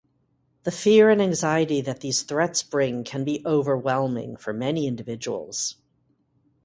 The fear and anxiety that these threats bring can be overwhelming for many individuals.